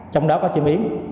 trong đó có chim yến